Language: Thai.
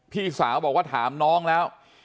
พี่สาวบอกว่าถามน้องแล้ว